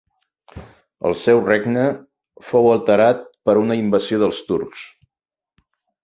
El seu regne fou alterat per una invasió dels turcs.